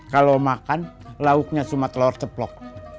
kalau makan lauknya cuma telur ceplok